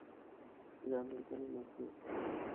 কিন্তু আপনি এখানে নতুন।